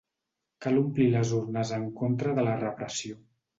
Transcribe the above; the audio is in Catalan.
Cal omplir les urnes en contra de la repressió.